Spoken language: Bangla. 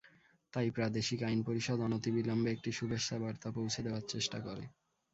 তাই প্রাদেশিক আইন পরিষদ অনতিবিলম্বে একটি শুভেচ্ছাবার্তা পৌঁছে দেওয়ার চেষ্টা করে।